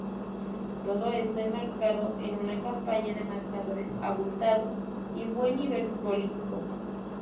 Todo esto enmarcado en una campaña de marcadores abultados y buen nivel futbolístico.